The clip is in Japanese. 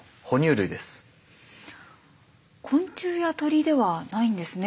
昆虫や鳥ではないんですね。